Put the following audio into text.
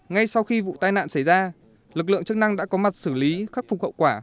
ngay sau khi vụ tai nạn xảy ra lực lượng chức năng đã có mặt xử lý khắc phục hậu quả